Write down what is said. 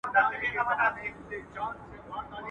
هيڅوک نه وايي چي زما د غړکي خوند بد دئ.